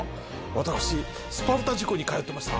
私スパルタ塾に通ってました。